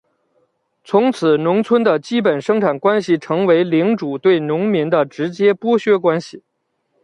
从此农村的基本生产关系成为领主对农民的直接剥削关系。